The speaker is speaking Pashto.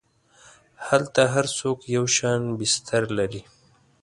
هلته هر څوک یو شان بستر لري.